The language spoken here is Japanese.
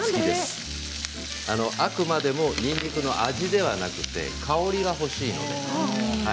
あくまでも、にんにくの味ではなくて香りが欲しいので。